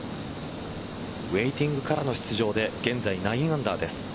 ウエーティングからの出場で現在９アンダーです。